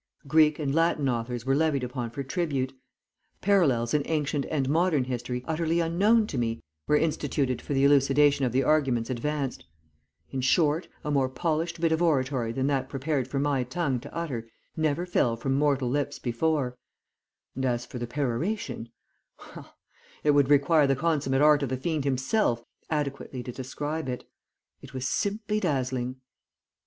Greek and Latin authors were levied upon for tribute. Parallels in ancient and modern history utterly unknown to me were instituted for the elucidation of the arguments advanced in short, a more polished bit of oratory than that prepared for my tongue to utter never fell from mortal lips before, and as for the peroration well, it would require the consummate art of the fiend himself adequately to describe it. It was simply dazzling.